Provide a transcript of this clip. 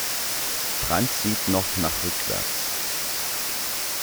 Franz sieht noch nach rückwärts.